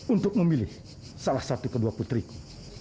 untuk memilih salah satu kedua putriku